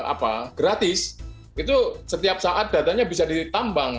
apa gratis itu setiap saat datanya bisa ditambang